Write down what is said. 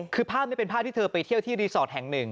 คือภาพนี้เป็นภาพที่เธอไปเที่ยวที่รีสอร์ทแห่งหนึ่ง